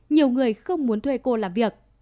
nhiều người không muốn thuê cô làm việc